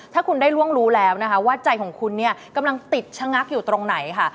ถ้าคุณได้ล่วงรู้แล้วนะคะว่าใจของคุณเนี่ยกำลังติดชะงักอยู่ตรงไหนค่ะ